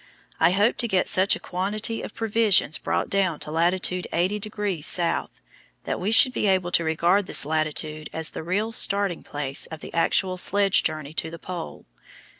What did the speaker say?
I hoped to get such a quantity of provisions brought down to lat. 80° S., that we should be able to regard this latitude as the real starting place of the actual sledge journey to the Pole.